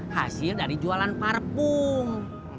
hasil dari jualan parfum